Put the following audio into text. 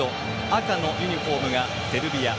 赤のユニフォームがセルビア。